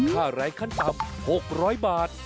ค่าแรงขั้นต่ำ๖๐๐บาท